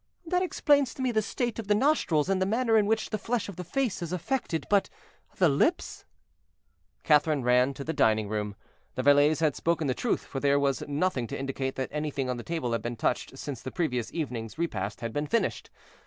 "That explains to me the state of the nostrils and the manner in which the flesh of the face is affected; but the lips?" Catherine ran to the dining room. The valets had spoken the truth, for there was nothing to indicate that anything on the table had been touched since the previous evening's repast had been finished.